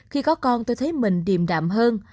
khi có con tôi thấy mình điềm đạm hơn